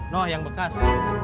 no yang bekas